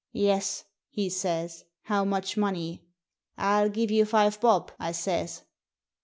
*Yes/ he says; 'how much money?' 'I'll give you five bob,' I says.